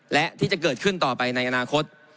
และที่จะเกิดขึ้นต่อไปในอนาคต